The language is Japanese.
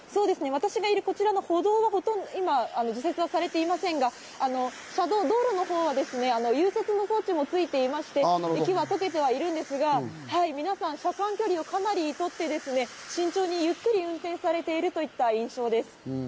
私がいるこちらの歩道は除雪はされていませんが、車道、道路のほうは融雪の装置もついていまして、雪は溶けているんですが、皆さん車間距離をかなりとって慎重にゆっくり運転されているといった印象です。